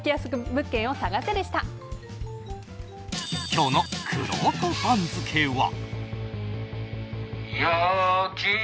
今日のくろうと番付は。